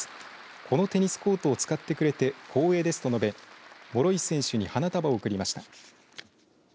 このテニスコートを使ってくれて光栄です、と述べ諸石選手に花束を贈りました。